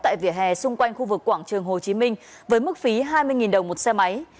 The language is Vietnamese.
tại vỉa hè xung quanh khu vực quảng trường hồ chí minh với mức phí hai mươi đồng một xe máy